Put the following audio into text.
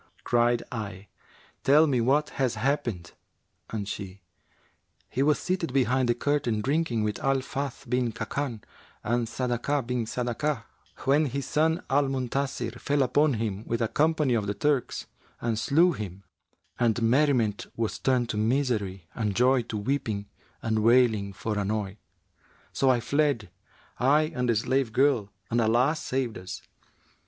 Cried I, 'Tell me what has happened;' and she, 'He was seated behind the curtain, drinking, with Al Fath bin Khбkбn[FN#371] and Sadakah bin Sadakah, when his son Al Muntasir fell upon him, with a company of the Turks,[FN#372] and slew him; and merriment was turned to misery and joy to weeping and wailing for annoy. So I fled, I and the slave girl, and Allah saved us.'